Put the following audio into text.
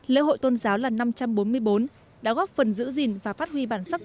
lễ hội tôn giáo lần năm trăm bốn mươi bốn đã góp phần giữ gìn và phát huy bản sắc